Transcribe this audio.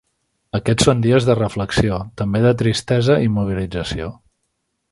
Aquests són dies de reflexió, també de tristesa i mobilització.